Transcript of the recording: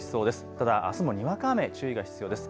ただあすもにわか雨、注意が必要です。